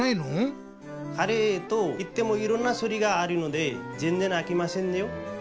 カレーといってもいろんなしゅるいがあるのでぜんぜんあきませんよ。